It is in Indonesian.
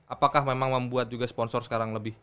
apakah memang membuat juga sponsor sekarang lebih